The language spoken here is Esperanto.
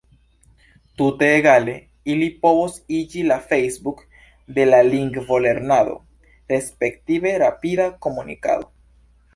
Tute egale ili povos iĝi la Facebook de la lingvolernado, respektive rapida komunikado.